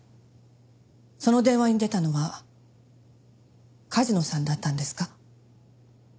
その電話に出たのは梶野さんだったんですか？